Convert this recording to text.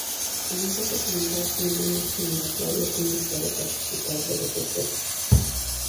En esta oportunidad ningún ex mandatario fue invitado a participar de los festejos.